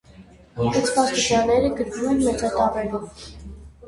Կցված տվյալները գրվում են մեծատառերով։